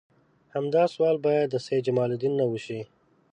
همدا سوال باید د سید جمال الدین نه وشي.